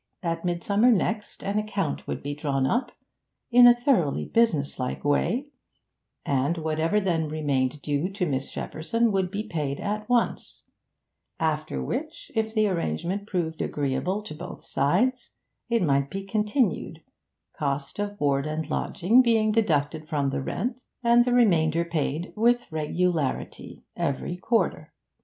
At midsummer next an account would be drawn up, 'in a thoroughly businesslike way,' and whatever then remained due to Miss Shepperson would be paid at once; after which, if the arrangement proved agreeable to both sides, it might be continued, cost of board and lodging being deducted from the rent, and the remainder paid 'with regularity' every quarter.